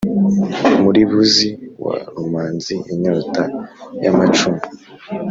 Muribuzi wa Rumanzi inyota y’amacumu;